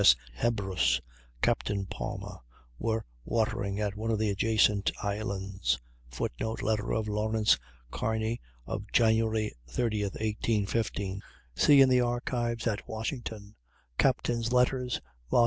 M.S. Hebrus, Capt. Palmer, were watering at one of the adjacent islands. [Footnote: Letter of Lawrence Kearney of Jan. 30, 1815 (see in the Archives at Washington, "Captains' Letters," vol.